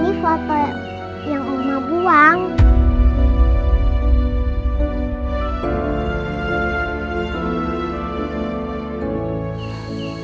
ini foto yang oma buang